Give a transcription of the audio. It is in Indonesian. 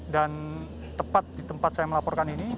dan tepat di tempat saya melaporkan ini